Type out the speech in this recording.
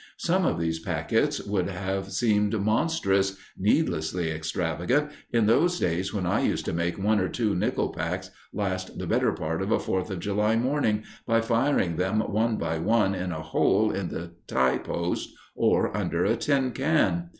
Some of these packets would have seemed monstrous needlessly extravagant in those days when I used to make one or two nickel packs last the better part of a Fourth of July morning by firing them one by one in a hole in the tie post or under a tin can.